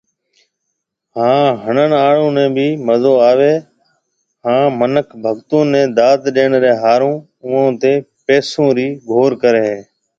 ھان ۿڻڻ آڙون ني ڀي مزو آوي ھيَََ ھان منک ڀگتون ني داد ڏيڻ ري ۿارو اوئون تي پئسون ري گھور ڪري ھيَََ